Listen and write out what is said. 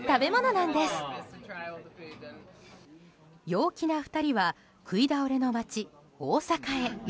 陽気な２人は食い倒れの街、大阪へ。